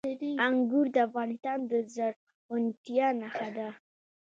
انګور د افغانستان د زرغونتیا نښه ده.